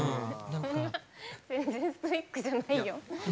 全然ストイックじゃないよ。